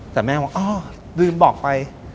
แต่แม่บอกอ๋อลืมบอกไป